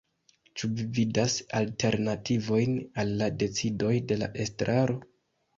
Ĉu vi vidas alternativojn al la decidoj de la estraro?